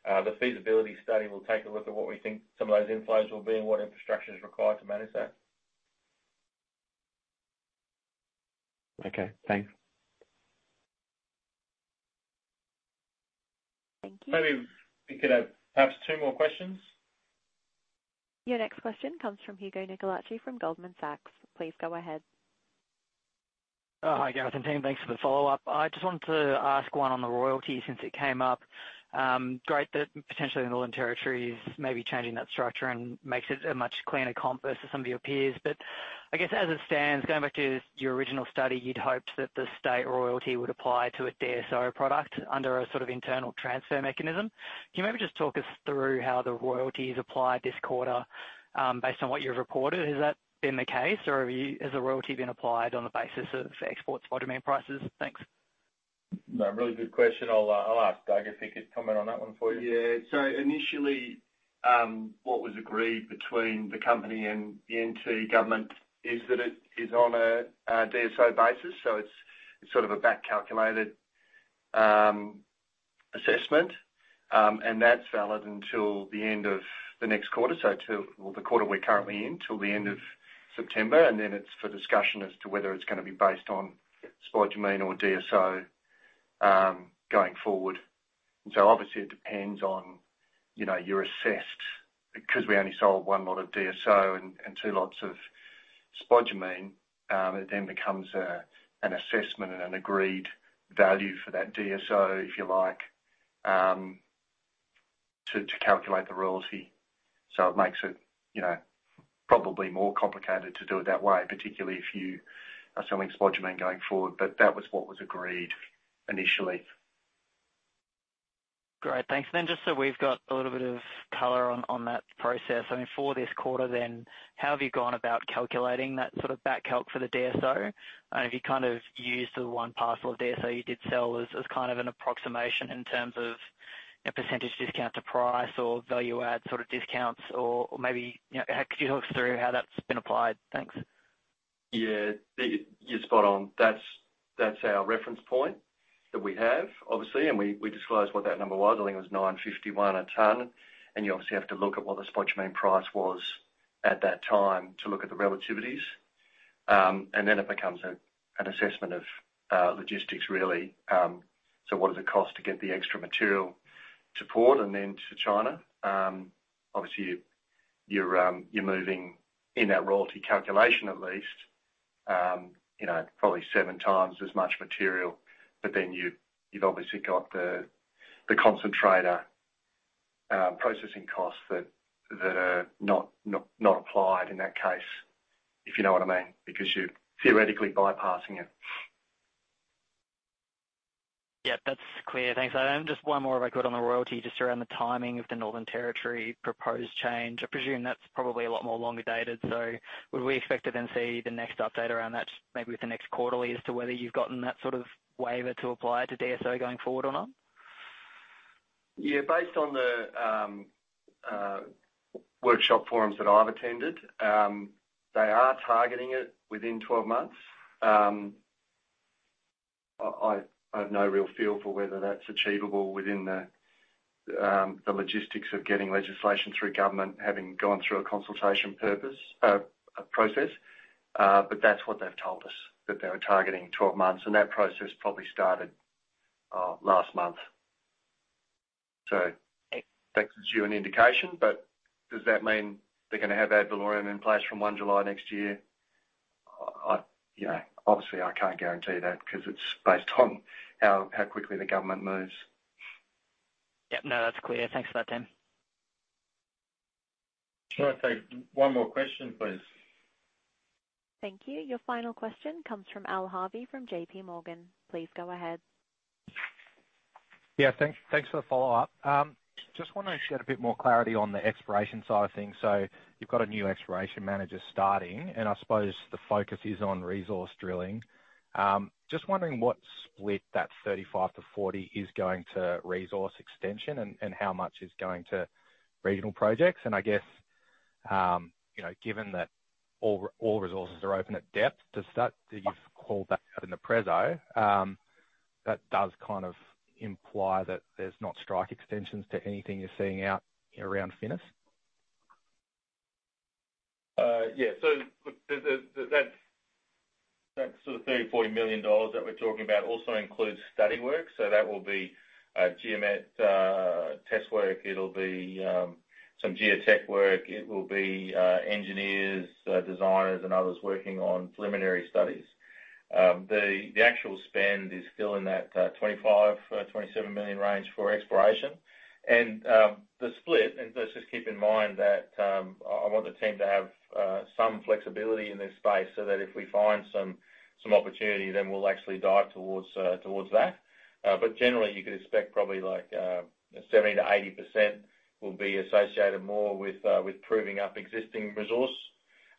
The feasibility study will take a look at what we think some of those inflows will be and what infrastructure is required to manage that. Okay, thanks. Thank you. Maybe we could have perhaps two more questions. Your next question comes from Hugo Nicolaci from Goldman Sachs. Please go ahead. Oh, hi, Gareth and team. Thanks for the follow-up. I just wanted to ask one on the royalty since it came up. Great that potentially the Northern Territory is maybe changing that structure and makes it a much cleaner comp versus some of your peers. I guess as it stands, going back to your original study, you'd hoped that the state royalty would apply to a DSO product under a sort of internal transfer mechanism. Can you maybe just talk us through how the royalties applied this quarter? Based on what you've reported, has that been the case, or has the royalty been applied on the basis of export spodumene prices? Thanks. A really good question. I'll ask Douglas if he could comment on that one for you. Yeah. Initially, what was agreed between the company and the NT government is that it is on a DSO basis, so it's sort of a back-calculated assessment. That's valid until the end of the next quarter, Well, the quarter we're currently in, till the end of September, and then it's for discussion as to whether it's gonna be based on spodumene or DSO going forward. Obviously, it depends on, you know, you're assessed, because we only sold one lot of DSO and two lots of spodumene, it then becomes an assessment and an agreed value for that DSO, if you like, to calculate the royalty. It makes it, you know, probably more complicated to do it that way, particularly if you are selling spodumene going forward. That was what was agreed initially. Great, thanks. Just so we've got a little bit of color on that process, I mean, for this quarter then, how have you gone about calculating that sort of back calc for the DSO? If you kind of use the one parcel of DSO you did sell as kind of an approximation in terms of a percentage discount to price or value add sort of discounts or maybe, you know, how could you talk through how that's been applied? Thanks. Yeah. You're spot on. That's our reference point that we have, obviously, and we disclosed what that number was. I think it was 951 a ton, and you obviously have to look at what the spodumene price was at that time to look at the relativities. Then it becomes an assessment of logistics, really. What does it cost to get the extra material to port and then to China? Obviously, you're moving in that royalty calculation at least- You know, probably 7x as much material, you've obviously got the concentrator processing costs that are not applied in that case, if you know what I mean, because you're theoretically bypassing it. Yeah, that's clear. Thanks. Just one more, if I could, on the royalty, just around the timing of the Northern Territory proposed change. I presume that's probably a lot more longer dated, so would we expect to then see the next update around that, maybe with the next quarterly, as to whether you've gotten that sort of waiver to apply to DSO going forward or not? Based on the workshop forums that I've attended, they are targeting it within 12 months. I have no real feel for whether that's achievable within the logistics of getting legislation through government, having gone through a consultation process. That's what they've told us, that they were targeting 12 months, and that process probably started last month. That gives you an indication, but does that mean they're gonna have ad valorem in place from 1 July next year? I, you know, obviously, I can't guarantee that because it's based on how quickly the government moves. Yep. No, that's clear. Thanks for that, team. Can I take one more question, please? Thank you. Your final question comes from Al Harvey, from JPMorgan. Please go ahead. Thanks for the follow-up. Just want to shed a bit more clarity on the exploration side of things. You've got a new exploration manager starting, and I suppose the focus is on resource drilling. Just wondering what split that 35-40 is going to resource extension and how much is going to regional projects. I guess, you know, given that all resources are open at depth, you've called that out in the preso. That does kind of imply that there's not strike extensions to anything you're seeing out around Finniss? Yeah. The, the, that sort of 30 million-40 million dollars that we're talking about also includes study work. That will be geomet test work. It'll be some geotech work. It will be engineers designers, and others working on preliminary studies. The actual spend is still in that 25 million-27 million range for exploration. The split, and let's just keep in mind that I want the team to have some flexibility in this space, so that if we find some opportunity, then we'll actually dive towards towards that. Generally, you could expect probably like 70%-80% will be associated more with proving up existing resource.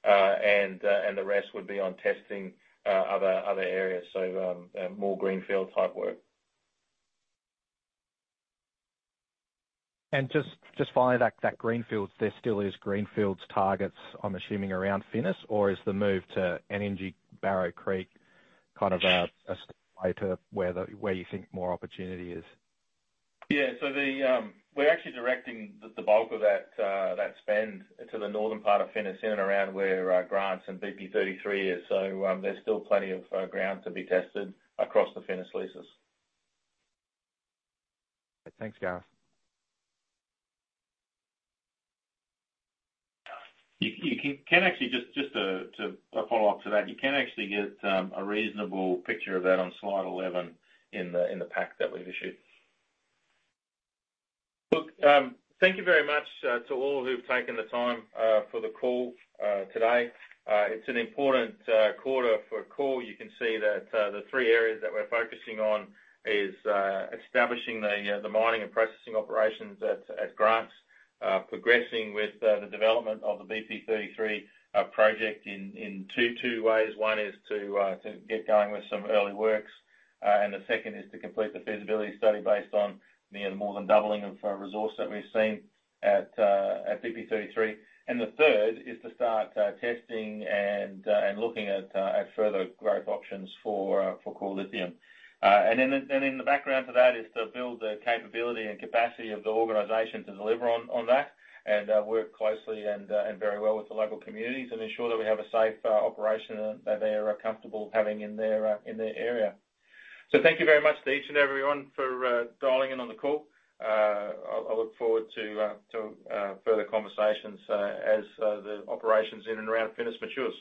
The rest would be on testing other areas, so more greenfield-type work. Just finally, that greenfields, there still is greenfields targets, I'm assuming, around Finniss, or is the move to Anningie-Barrow Creek kind of a way to where you think more opportunity is? We're actually directing the bulk of that spend to the northern part of Finniss, in and around where Grants and BP33 is. There's still plenty of ground to be tested across the Finniss leases. Thanks, Gareth. Just to a follow-up to that, you can actually get a reasonable picture of that on slide 11 in the pack that we've issued. Look, thank you very much to all who've taken the time for the call today. It's an important quarter for Core. You can see that the three areas that we're focusing on is establishing the mining and processing operations at Grants. Progressing with the development of the BP33 project in two ways. One is to get going with some early works, and the second is to complete the feasibility study based on the more than doubling of resource that we've seen at BP33. The third is to start testing and looking at further growth options for Core Lithium. Then the background to that is to build the capability and capacity of the organization to deliver on that. Work closely and very well with the local communities and ensure that we have a safe operation and that they are comfortable having in their area. Thank you very much to each and everyone for dialing in on the call. I look forward to further conversations as the operations in and around Finniss matures.